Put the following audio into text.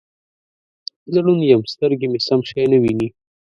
زه ړوند یم سترګې مې سم شی نه وینې